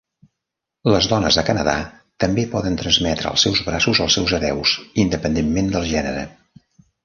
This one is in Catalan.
Les dones a Canadà també poden transmetre els seus braços als seus hereus, independentment del gènere.